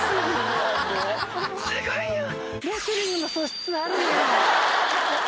すごいよ！